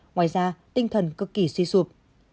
ngoài ra tinh thần cực kỳ suy sụp